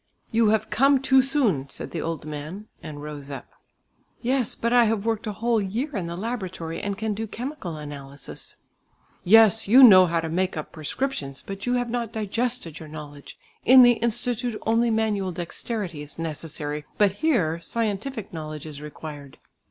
"You have come too soon," said the old man, and rose up. "Yes, but I have worked a whole year in the laboratory, and can do chemical analysis." "Yes, you know how to make up prescriptions, but you have not digested your knowledge. In the Institute only manual dexterity is necessary, but here scientific knowledge is required."